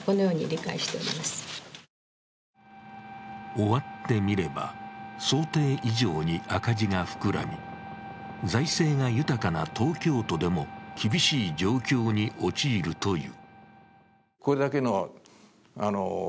終わってみれば、想定以上に赤字が膨らみ、財政が豊かな東京都でも厳しい状況に陥るという。